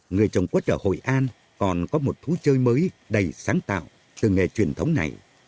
người trồng quất ở hội an còn có một thú chơi mới đầy sáng tạo từ nghề truyền thống này